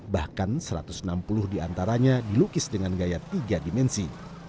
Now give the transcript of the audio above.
bahkan satu ratus enam puluh diantaranya dilukis dengan gaya tiga dimensi